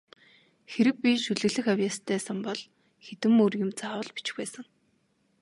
Хэрэв би шүлэглэх авьяастай сан бол хэдэн мөр юм заавал бичих байсан.